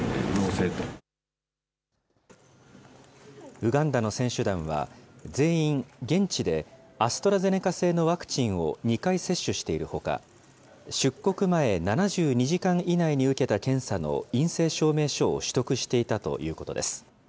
ウガンダの選手団は、全員、現地でアストラゼネカ製のワクチンを２回接種しているほか、出国前７２時間以内に受けた検査の陰性証明書を取得していたということです。